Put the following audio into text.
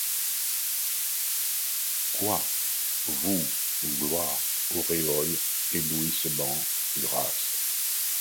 Quoi ! vous, gloire, auréole, éblouissement, grâce